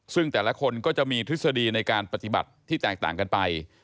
ซึ่งแต่ละคนก็จะมีทฤษฎีในการปฏิบัติที่แตกต่างกันไป